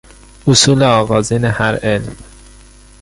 اصول آغازین هر علم